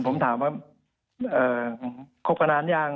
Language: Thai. ผมถามว่าคบกันนานยัง